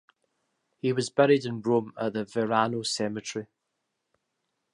He was buried in Rome at the Verano Cemetery.